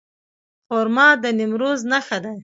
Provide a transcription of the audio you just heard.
خرما د نیمروز نښه ده.